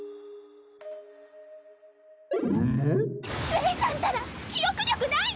レイさんったら記憶力ないの！？